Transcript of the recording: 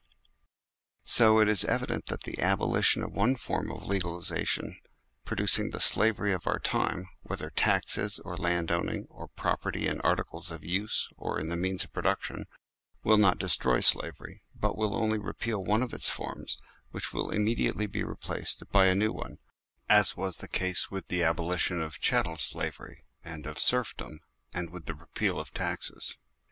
86 THE SLAVERY OF OUR TIMES So it is evident that the abolition of one form of legalisation producing the slavery of our time whether taxes, or land owning, or property in articles of use or in the means of production will not destroy slavery, but will only repeal one of its forms, which will immediately be re placed by a new one, as was the case with the abolition of chattel slavery, and of serfdom, and with the repeals of taxes.